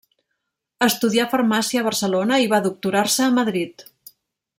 Estudià farmàcia a Barcelona i va doctorar-se a Madrid.